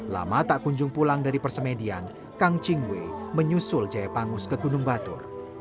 lama tak kunjung pulang dari persemedian kang ching wei menyusul jaya pangus ke gunung batur